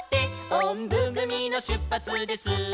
「おんぶぐみのしゅっぱつです」